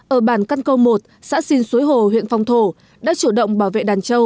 ở bàn căn câu một xã xin suối hồ huyện phong thổ đã chủ động bảo vệ đàn châu